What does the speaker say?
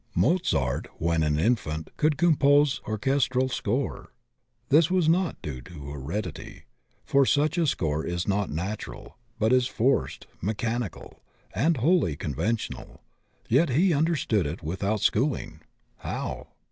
Mozart when an infant could compose orchestral score. This was not due to heredity, for such a score is not natural, but is forced, mechanical, and wholly conventional, yet he understood it without schooling. How?